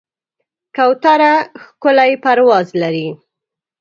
کوتره ښکلی پرواز لري.